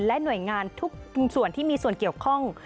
และหน่วยงานทุกส่วนที่มีส่วนเกี่ยวข้อง